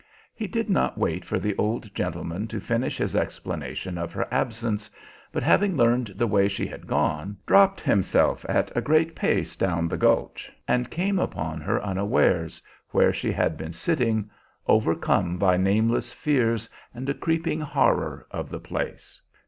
He did not wait for the old gentleman to finish his explanation of her absence, but having learned the way she had gone, dropped himself at a great pace down the gulch and came upon her unawares, where she had been sitting, overcome by nameless fears and a creeping horror of the place.